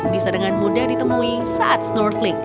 bisa dengan mudah ditemui saat snorkeling